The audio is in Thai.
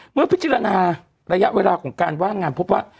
เมื่อพิจารณาระยะเวลาของการว่างงานพบว่า